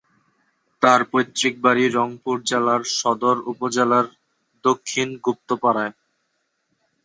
তার পৈতৃক বাড়ি রংপুর জেলার সদর উপজেলার দক্ষিণ গুপ্তপাড়ায়।